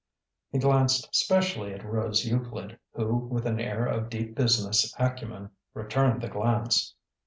He glanced specially at Rose Euclid, who with an air of deep business acumen returned the glance.